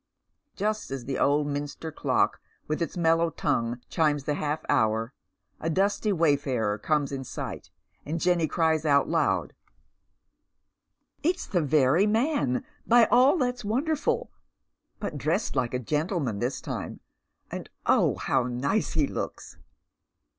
Just as the old minster clock with its mellow tongue chimes the half hour a dusty wayfarer comes in sight, and Jenny cries out loud, —" It's the very man, by all that's wonderful ! but dressed like a gentleman this time ; and oh, how nice he looks